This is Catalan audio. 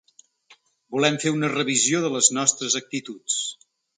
Volem fer una revisió de les nostres actituds.